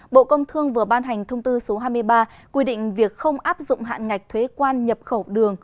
bộ công thương vừa ban hành thông tư số hai mươi ba quy định việc không áp dụng hạn ngạch thuế quan nhập khẩu đường